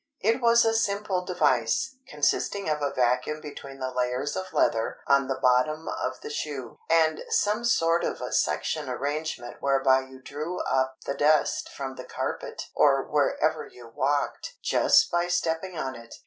It was a simple device, consisting of a vacuum between the layers of leather on the bottom of the shoe, and some sort of a suction arrangement whereby you drew up the dust from the carpet (or wherever you walked) just by stepping on it.